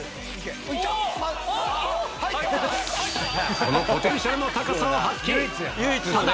このポテンシャルの高さを発揮。